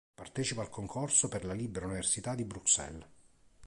Partecipa al concorso per la Libera Università di Bruxelles.